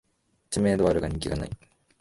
知名度はあるが人気ない